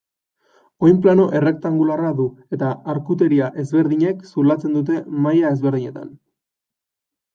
Oinplano errektangularra du eta arkuteria ezberdinek zulatzen dute maila ezberdinetan.